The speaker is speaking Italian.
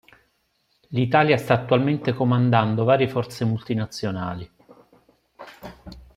L'Italia sta attualmente comandando varie forze multinazionali.